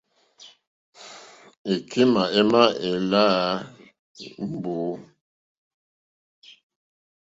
Èkémà émá èláǃá mbǒ.